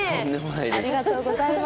ありがとうございます。